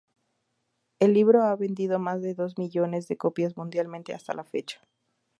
El libro ha vendido más de dos millones de copias mundialmente hasta la fecha.